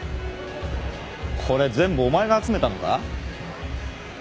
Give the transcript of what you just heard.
これ全部お前が集めたのか？